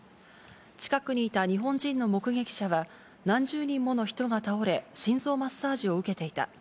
近くにいた日本人の目撃者は、何十人もの人が倒れ、心臓マッサージを受けていた。